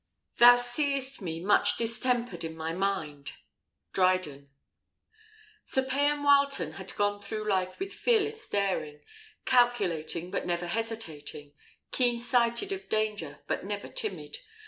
Thou seest me much distempered in my mind Dryden. Sir Payan Wileton had gone through life with fearless daring; calculating, but never hesitating; keen sighted of danger, but never timid.